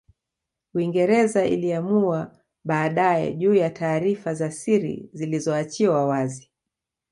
Uingereza Ililaumiwa baadae juu ya taarifa za siri zilizo achiwa wazi